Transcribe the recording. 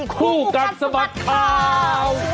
คู่กัดสะบัดข่าว